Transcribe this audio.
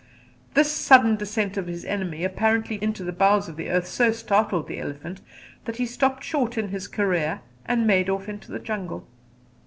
This sudden descent of his enemy apparently into the bowels of the earth so startled the elephant that he stopped short in his career and made off into the jungle.